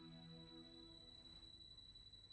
aku sudah berjalan